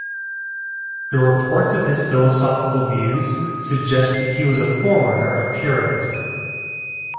The reports of his philosophical views suggest that he was a forerunner of Pyrrhonism.